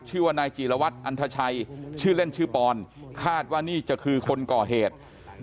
ชื่อว่านายจีรวัตรอันทชัยชื่อเล่นชื่อปอนคาดว่านี่จะคือคนก่อเหตุ